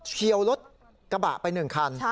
เฉียวรถกระบะไปหนึ่งคัน